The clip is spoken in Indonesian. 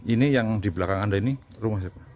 ini yang di belakang anda ini rumah siapa